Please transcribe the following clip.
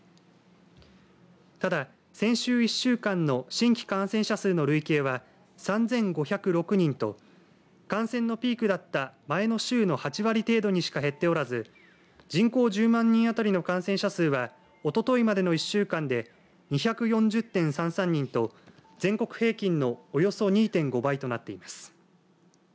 ただ、先週１週間の新規感染者数の累計は３５０６人と感染のピークだった前の週の８割程度にしか減っておらず、人口１０万人あたりの感染者数はおとといまでの１週間で２４０．３３人と全国平均のおよそ２．５倍となっています。